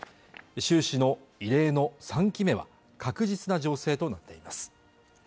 習氏の異例の３期目は確実な情勢となっています